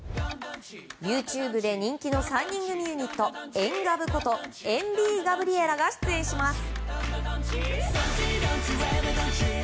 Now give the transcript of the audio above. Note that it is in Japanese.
ＹｏｕＴｕｂｅで人気の３人組ユニットエンガブことＥＮＶｉｉＧＡＢＲＩＥＬＬＡが出演します。